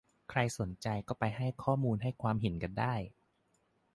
ใครสนใจก็ไปให้ข้อมูลให้ความเห็นกันได้